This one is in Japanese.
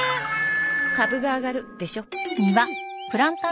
「カブが上がる」でしょ？